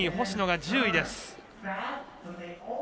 星野が１０位です。